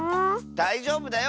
だいじょうぶだよ。